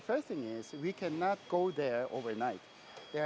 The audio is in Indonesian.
kita tidak bisa pergi ke sana sepanjang malam